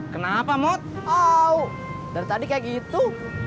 kenapa mod oh dari tadi kayak gitu